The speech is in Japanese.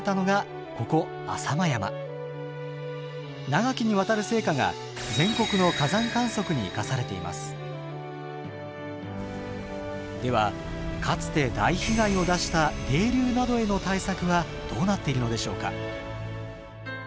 長きにわたる成果がではかつて大被害を出した泥流などへの対策はどうなっているのでしょうか？